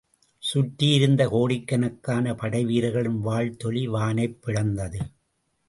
சுற்றியிருந்த கோடிக்கணக்கான படை வீரர்களின் வாழ்த்தொலி வானைப் பிளந்தது.